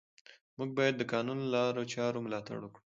موږ باید د قانوني لارو چارو ملاتړ وکړو